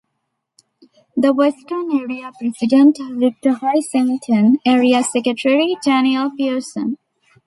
The Western Area President: Victor Hoisington, Area Secretary: Daniel Pearson.